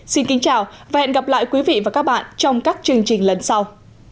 xin kính chào và hẹn gặp lại quý vị và các bạn trong các chương trình lần sau